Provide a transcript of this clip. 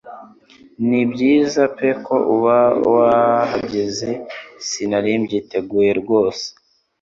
Nibyiza pe kuba wahageze sinari mbyiteguye rwose